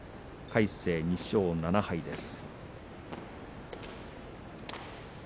魁聖、２勝７敗です。